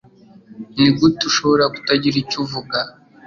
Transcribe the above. Nigute ushobora kutagira icyo uvuga?